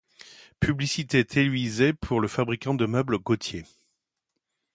Publicités télévisées pour le fabricant de meubles Gautier.